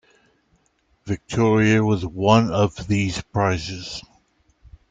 "Victoria" was one of these prizes.